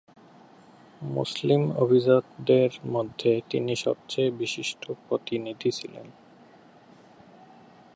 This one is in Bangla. মুসলিম অভিজাতদের মধ্যে তিনি সবচেয়ে বিশিষ্ট প্রতিনিধি ছিলেন।